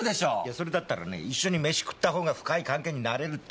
それだったら一緒に飯食った方が深い関係になれるって。